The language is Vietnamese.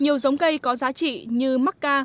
nhiều giống cây có giá trị như mắc ca